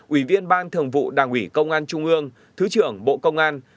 ủy viên ban thường vụ đảng ủy công an trung ương thứ trưởng bộ công an